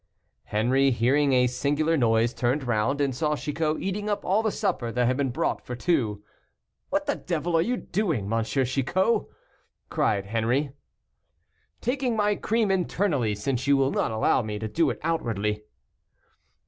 Henri, hearing a singular noise, turned round, and saw Chicot eating up all the supper that had been brought for two. "What the devil are you doing, M. Chicot?" cried Henri. "Taking my cream internally, since you will not allow me to do it outwardly."